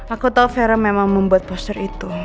aku tahu vera memang membuat poster itu